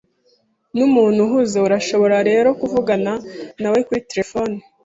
Numuntu uhuze, urashobora rero kuvugana nawe kuri terefone.